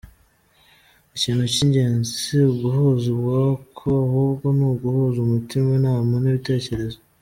Ikintu cy’ingenzi si uguhuza ubwoko ahubwo ni uguhuza umutima, inama n’ibitekerezo.